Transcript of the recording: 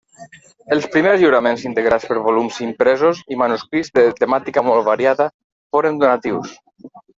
Els primers lliuraments, integrats per volums impresos i manuscrits de temàtica molt variada, foren donatius.